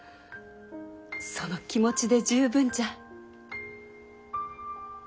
その気持ちで十分じゃ。